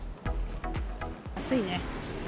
暑いね。